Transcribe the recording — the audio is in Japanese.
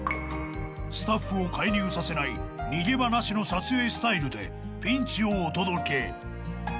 ［スタッフを介入させない逃げ場なしの撮影スタイルでピンチをお届け］